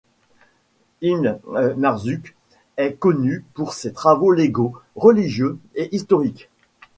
Ibn Marzuq est connu pour ses travaux légaux, religieux et historiques.